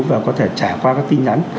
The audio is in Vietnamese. và có thể trả qua các tin nhắn